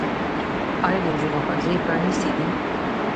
آیا د نجونو ښوونځي پرانیستي دي؟